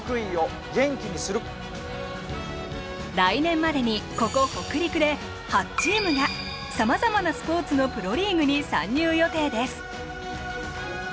来年までにここ北陸で８チームがさまざまなスポーツのプロリーグに参入予定です。